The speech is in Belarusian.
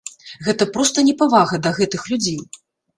Гэта проста непавага да гэтых людзей!